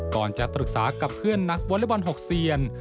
ก่อนจะปรึกษากับเพื่อนนักวอเล็กบอล๖เซียน